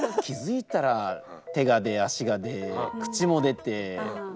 気付いたら手が出足が出口も出て。